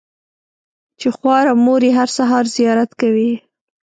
چې خواره مور یې هره سهار زیارت کوي.